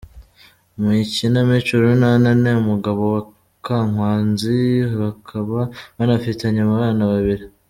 Mu Ikinamico Urunana ni umugabo wa Kankwanzi bakaba banafitanye abana babiri.